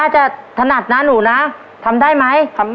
เชิญครับ